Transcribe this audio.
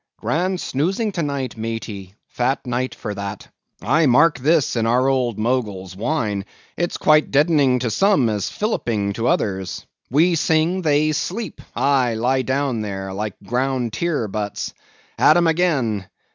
Grand snoozing to night, maty; fat night for that. I mark this in our old Mogul's wine; it's quite as deadening to some as filliping to others. We sing; they sleep—aye, lie down there, like ground tier butts. At 'em again!